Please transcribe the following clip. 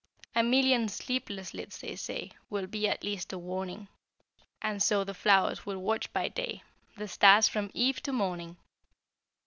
A million sleepless lids, they say, Will be at least a warning; And so the flowers will watch by day, The stars from eve to morning.